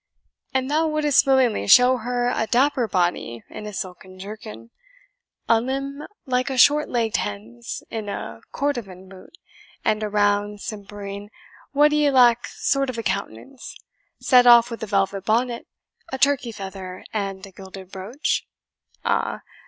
"And thou wouldst willingly show her a dapper body, in a silken jerkin a limb like a short legged hen's, in a cordovan boot and a round, simpering, what d'ye lack sort of a countenance, set off with a velvet bonnet, a Turkey feather, and a gilded brooch? Ah!